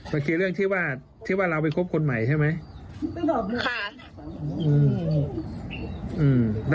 มาเคลียร์เรื่องที่ว่าเราไปคบคนใหม่ใช่ไหม